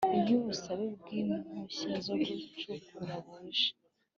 Iyo ubusabe bw impushya zo gucukura buje